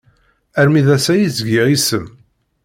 Armi d ass-a i s-giɣ isem.